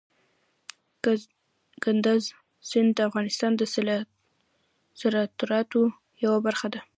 کندز سیند د افغانستان د صادراتو یوه برخه ده.